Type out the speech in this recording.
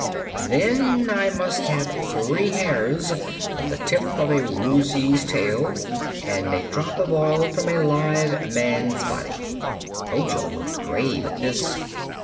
"Then I must have three hairs from the tip of a Woozy's tail, and a drop of oil from a live man's body." Ojo looked grave at this.